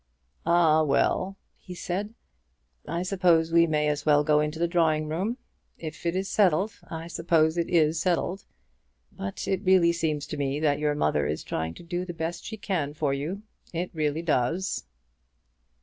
"Ah, well," he said, "I suppose we may as well go into the drawing room. If it is settled, I suppose it is settled. But it really seems to me that your mother is trying to do the best she can for you. It really does."